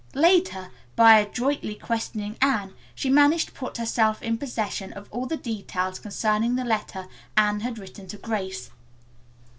Later, by adroitly questioning Anne, she managed to put herself in possession of all the details concerning the letter Anne had written to Grace.